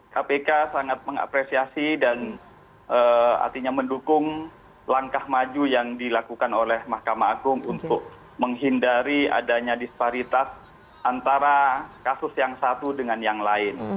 kpk sangat mengapresiasi dan artinya mendukung langkah maju yang dilakukan oleh mahkamah agung untuk menghindari adanya disparitas antara kasus yang satu dengan yang lain